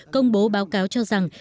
công bố báo cáo cho rằng